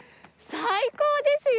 最高ですよ